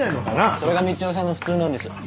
それがみちおさんの普通なんです。